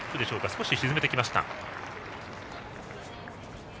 少し沈めてきました。